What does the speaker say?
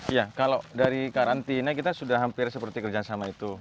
iya kalau dari karantina kita sudah hampir seperti kerjasama itu